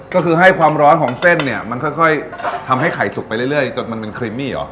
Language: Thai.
ก็คือให้ความร้อนของเส้นเนี่ยมันค่อยทำให้ไข่สุกไปเรื่อยจนมันเป็นครีมมี่เหรอ